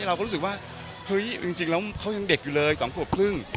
เราก็รู้สึกว่าเฮ้ยจริงแล้วเขายังเด็กอยู่เลย๒ขวบครึ่ง